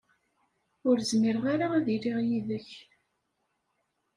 Ur zmireɣ ara ad iliɣ yid-k.